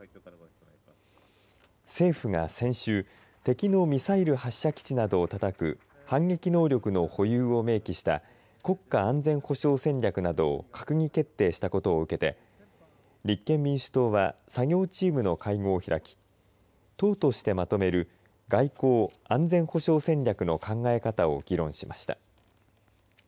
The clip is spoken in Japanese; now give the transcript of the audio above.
政府が先週、敵のミサイル発射基地などをたたく反撃能力の保有を明記した国家安全保障戦略などを閣議決定したことを受けて立憲民主党は作業チームの会合を開き党として、まとめる外交・安全保障戦略の考え方を議論しました。